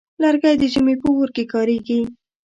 لرګی د ژمي په اور کې کارېږي.